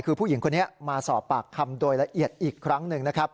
คือผู้หญิงคนนี้มาสอบปากคำโดยละเอียดอีกครั้งหนึ่งนะครับ